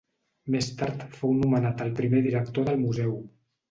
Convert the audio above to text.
Més tard fou nomenat el primer director del museu.